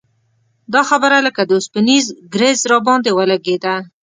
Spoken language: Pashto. دا خبره لکه د اوسپنیز ګرز راباندې ولګېده.